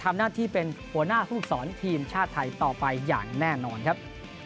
ทำหน้าที่เป็นหัวหน้าผู้ฝึกสอนทีมชาติไทยต่อไปอย่างแน่นอนครับ